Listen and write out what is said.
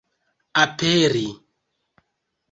aperi